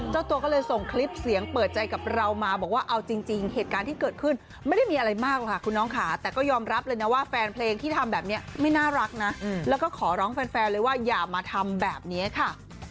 เจ้าตัวก็เลยส่งคลิปเสียงเปิดใจกับเรามาบอกว่าเอาจริงเหตุการณ์ที่เกิดขึ้นไม่ได้มีอะไรมากหรอกค่ะคุณน้องค่ะแต่ก็ยอมรับเลยนะว่าแฟนเพลงที่ทำแบบนี้ไม่น่ารักนะแล้วก็ขอร้องแฟนเลยว่าอย่ามาทำแบบนี้ค่ะ